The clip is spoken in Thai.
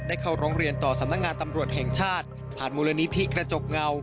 เข้าร้องเรียนต่อสำนักงานตำรวจแห่งชาติผ่านมูลนิธิกระจกเงา